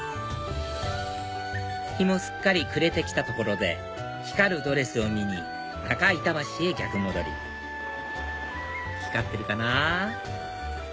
日もすっかり暮れてきたところで光るドレスを見に中板橋へ逆戻り光ってるかなぁ